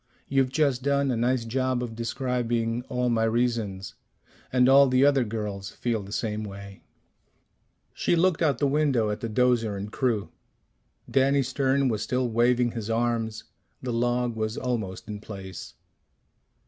You've just done a nice job of describing all my reasons. And all the other girls feel the same way." She looked out the window at the 'dozer and crew. Danny Stern was still waving his arms; the log was almost in place.